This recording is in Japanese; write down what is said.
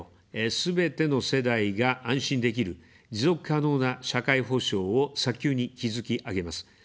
すべての世代が安心できる、持続可能な社会保障を早急に築き上げます。